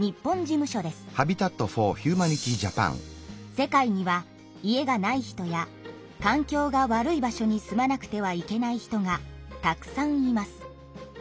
世界には家がない人やかん境が悪い場所に住まなくてはいけない人がたくさんいます。